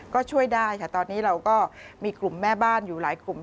ก็ช่วยได้ค่ะตอนนี้เราก็มีกลุ่มแม่บ้านอยู่หลายกลุ่ม